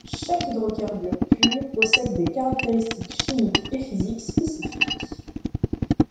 Chaque hydrocarbure pur possède des caractéristiques chimiques et physiques spécifiques.